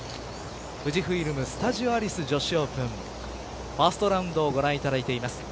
富士フイルム・スタジオアリス女子オープンファーストラウンドをご覧いただいています。